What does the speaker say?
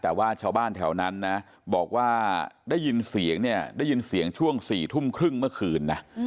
แต่ว่าชาวบ้านแถวนั้นนะบอกว่าได้ยินเสียงเนี่ยได้ยินเสียงช่วง๔ทุ่มครึ่งเมื่อคืนนะ